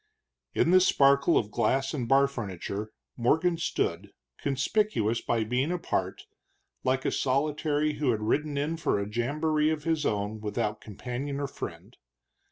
In this sparkle of glass and bar furniture Morgan stood, conspicuous by being apart, like a solitary who had ridden in for a jambouree of his own without companion or friend.